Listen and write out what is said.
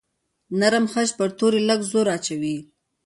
نرم خج پر توري لږ زور اچوي.